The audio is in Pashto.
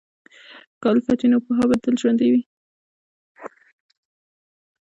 که الفت وي، نو پوهه به تل زنده وي.